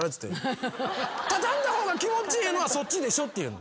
畳んだ方が気持ちええのはそっちでしょって。